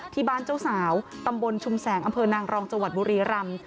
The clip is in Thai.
ที่บ้านเจ้าสาวตำบลชุมแสงอำเภอนางรองจวัตรบุรีรำ